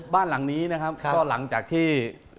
บ้านหลังนี้นะครับก็หลังจากที่